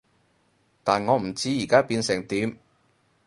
但我唔知而家變成點